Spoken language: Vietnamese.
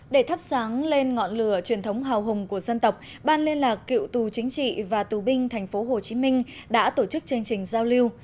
để thắp sáng lên ngọn lửa truyền thống hào hùng của dân tộc ban liên lạc cựu tù chính trị và tù binh tp hcm đã tổ chức chương trình giao lưu